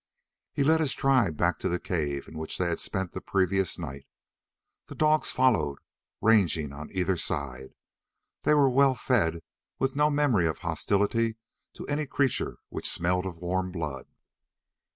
He led his tribe back to the cave in which they had spent the previous night. The dogs followed, ranging on either side. They were well fed, with no memory of hostility to any creature which smelled of warm blood.